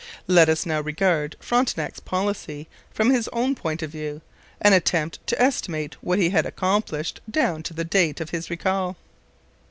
Let us now regard Frontenac's policy from his own point of view, and attempt to estimate what he had accomplished down to the date of his recall.